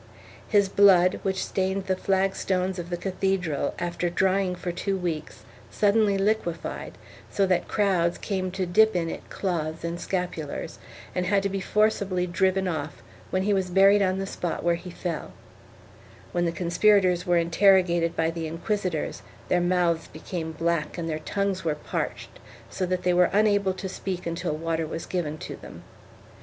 His blood, which stained the flagstones of the cathedral, after drying for two weeks, suddenly liquefied, so that crowds came to dip in it cloths and scapulars and had to be forcibly driven off when he was buried on the spot where he fell: when the conspirators were interrogated by the inquisitors, their mouths became black and their tongues were parched so that they were unable to speak until water was given to them.